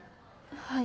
はい。